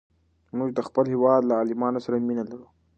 موږ د خپل هېواد له عالمانو سره مینه لرو.